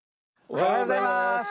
おはようございます！